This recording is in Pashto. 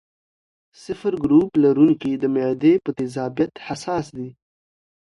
O ګروپ لرونکي د معدې په تیزابیت حساس دي.